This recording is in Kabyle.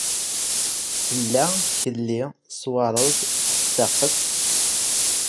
Tella tkelli ṣwared staqqet.